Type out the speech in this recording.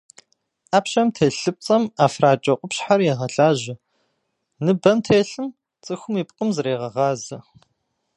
Ӏэпщэм телъ лыпцӏэм ӏэфракӏэ къупщхьэр егъэлажьэ, ныбэм телъым цӏыхум и пкъым зрегъэгъазэ.